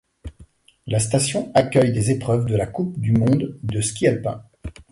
La station accueille des épreuves de la Coupe du monde de ski alpin.